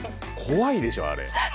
怖いでしょあれ。